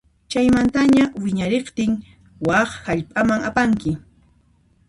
Chaymantaña wiñariqtin wak hallp'aman apanki.